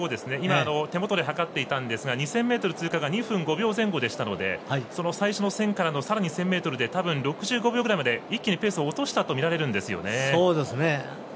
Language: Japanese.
手元で計っていたんですが２０００ｍ通過が２分５秒前後でしたので最後の１０００からのさらに１０００ｍで一気にペースを落としたとみられるんですよね。